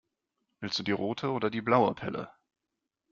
Willst du die rote oder die blaue Pille?